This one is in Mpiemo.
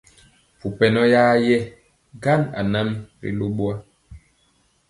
Mpu pɛnɔ ya yɛ gan anam ri lo ɓowa.